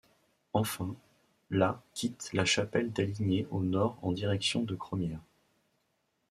Enfin, la quitte La Chapelle-d'Aligné au nord en direction de Crosmières.